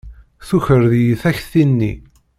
Tukreḍ-iyi takti-nni.